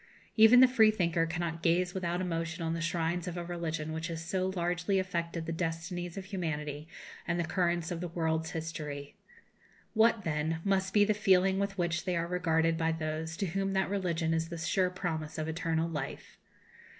Even the freethinker cannot gaze without emotion on the shrines of a religion which has so largely affected the destinies of humanity and the currents of the world's history. What, then, must be the feeling with which they are regarded by those to whom that religion is the sure promise of eternal life?